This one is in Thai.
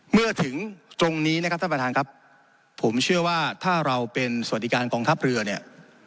เมื่อถึงตรงนี้นะครับท่านประธานครับผมเชื่อว่าถ้าเราเป็นสวัสดิการกองทัพเรือเนี่ย